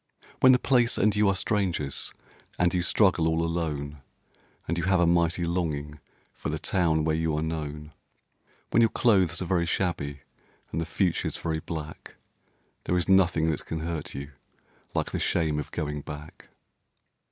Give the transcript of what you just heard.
When the place and you are strangers and you struggle all alone, And you have a mighty longing for the town where you are known; When your clothes are very shabby and the future's very black, There is nothing that can hurt you like the shame of going back.